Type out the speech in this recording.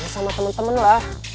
sama temen temen lah